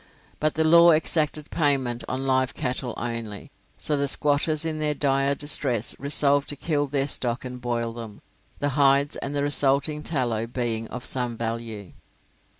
But the law exacted payment on live cattle only, so the squatters in their dire distress resolved to kill their stock and boil them, the hides and the resulting tallow being of some value.